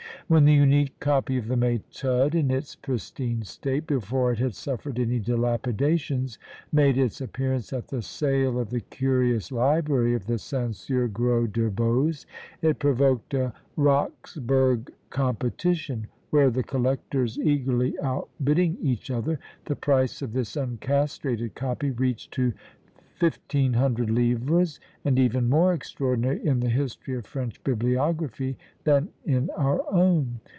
When the unique copy of the Méthode, in its pristine state, before it had suffered any dilapidations, made its appearance at the sale of the curious library of the censeur Gros de Boze, it provoked a Roxburgh competition, where the collectors, eagerly outbidding each other, the price of this uncastrated copy reached to 1500 livres; and even more extraordinary in the history of French bibliography, than in our own.